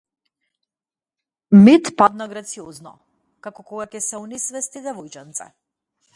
Мет падна грациозно, како кога ќе се онесвести девојченце.